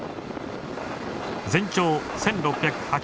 全長１，６８６ｍ。